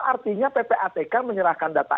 artinya ppatk menyerahkan data